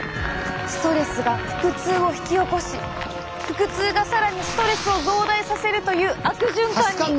ストレスが腹痛を引き起こし腹痛が更にストレスを増大させるという悪循環に！